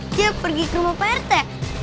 dia pergi ke rumah pak rete